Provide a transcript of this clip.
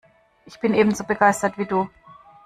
Ich bin ebenso begeistert wie du.